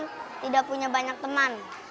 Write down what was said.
karena sombong tidak punya banyak teman